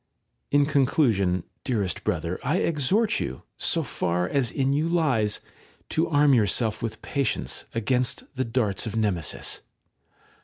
§ 5. In conclusion, dearest brother, I exhort you, so far as in you lies, 3 to arm yourself with patience against the darts of Nemesis.